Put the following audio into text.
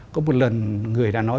có một lần người đã nói